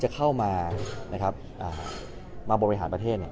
มันอาจจะมองว่าเราใช้ขาดของดารา